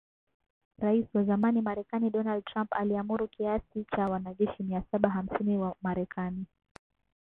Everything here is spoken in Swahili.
Rais wa zamani Marekani Donald Trump aliamuru kiasi cha wanajeshi mia saba hamsini wa Marekani